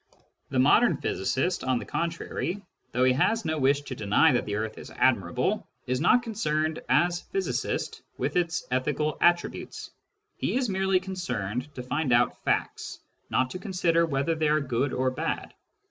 The modern physicist, on the contrary, though he has no wish to deny that the earth is admirable, is not concerned, as physicist, with its ethical attributes : he is merely concerned to find out facts, not to consider whether they are good or bad.